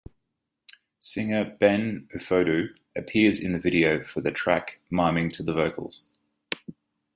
Singer Ben Ofoedu appears in the video for the track miming to the vocals.